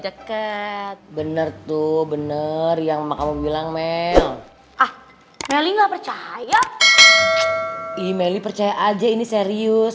deket bener tuh bener yang mau bilang mel ah melinggal percaya email percaya aja ini serius